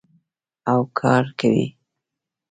او کار کوي.